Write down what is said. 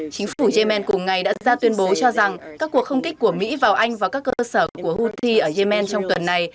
chính phủ yemen cùng ngày đã ra tuyên bố cho rằng các cuộc không kích của mỹ vào anh và các cơ sở của houthi ở yemen trong tuần này